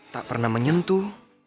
tak pernah menyentuh